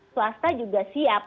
swasta juga siap